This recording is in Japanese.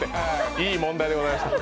いい問題でございました。